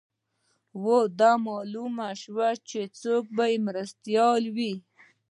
او دا معلومه شوه چې څوک به مرستیال وي